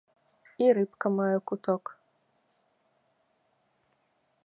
І рыбка мае куток.